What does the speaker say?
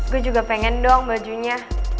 gue juga pengen dong bajunya